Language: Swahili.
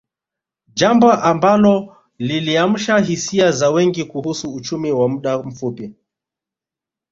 Jambo ambao liliamsha hisia za wengi kuhusu uchumi wa muda mfupi